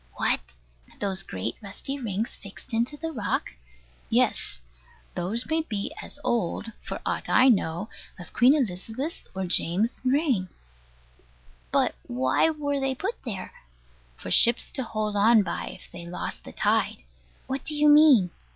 What? Those great rusty rings fixed into the rock? Yes. Those may be as old, for aught I know, as Queen Elizabeth's or James's reign. But why were they put there? For ships to hold on by, if they lost the tide. What do you mean?